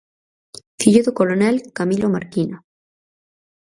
Fillo do coronel Camilo Marquina.